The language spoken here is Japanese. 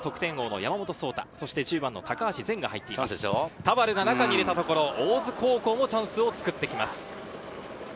田原が中に入れたところ、大津高校もチャンスを作っていきます。